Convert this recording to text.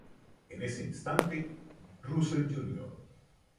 En ese instante, Russel jr.